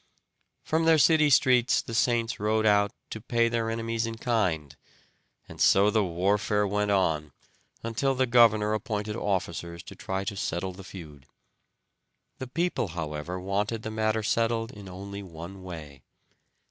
From their city streets the saints rode out to pay their enemies in kind, and so the warfare went on until the governor appointed officers to try to settle the feud. The people, however, wanted the matter settled in only one way.